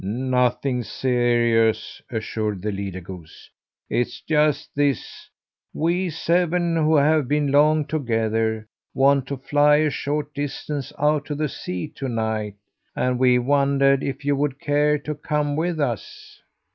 "Nothing serious," assured the leader goose. "It's just this: we seven who have been long together want to fly a short distance out to sea to night, and we wondered if you would care to come with us."